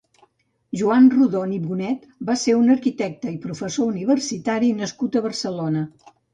Joan Rodon i Bonet va ser un arquitecte i professor universitari nascut a Barcelona.